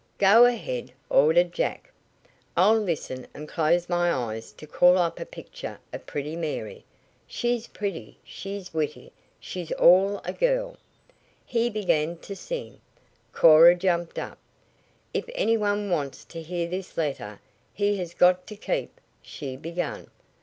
"Go ahead," ordered Jack. "I'll listen and close my eyes to call up a picture of pretty Mary. She's pretty, she's witty, she's all a girl " He began to sing. Cora jumped up. "If any one wants to hear this letter he has got to keep " she began.